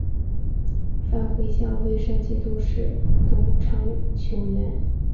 范晖向威胜节度使董昌求援。